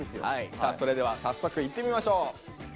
さあそれでは早速いってみましょう！